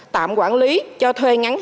tạm quản lý cho thuê ngắn hạn